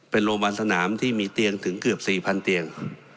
เป็นโรงพยาบาลสนามที่มีเตียงถึงเกือบ๔๐๐เตียง